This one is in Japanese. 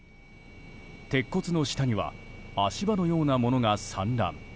鉄骨の下には足場のようなものが散乱。